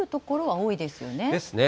ですね。